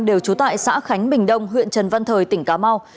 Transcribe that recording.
đều trú tại xã khánh bình đông huyện trần văn thời tỉnh cà mau